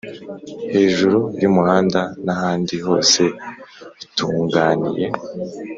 hejuru y'umuhanda n'ahandi hose bitunganiye